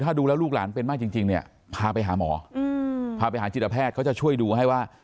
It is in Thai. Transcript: ถ้าดูแล้วลูกหลานเป็นมากจริงเนี่ยพาไปหาหมอพาไปหาจิตแพทย์เขาจะช่วยดูให้ว่า